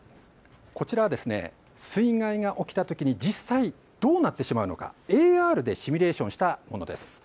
こちら、水害が起きたときに実際にどうなってしまうのかＡＲでシミュレーションしたものです。